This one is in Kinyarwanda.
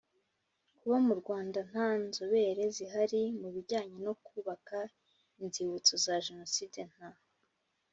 Kuba mu rwanda nta nzobere zihari mu bijyanye no kubaka inzibutso za jenoside nta